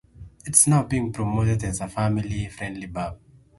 It is now being promoted as a family friendly pub.